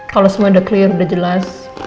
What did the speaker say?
kalau semua udah clear sudah jelas